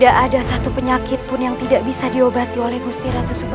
kau akan berhenti